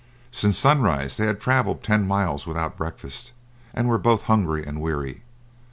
Since sunrise they had travelled ten miles without breakfast, and were both hungry and weary.